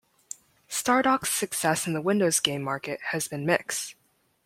Stardock's success in the Windows game market has been mixed.